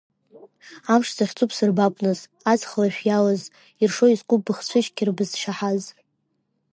Амш захьӡу бсырбап, нас, аҵх лашә иалаз, иршо искуп быхцәы шьқьыр бызшьаҳаз.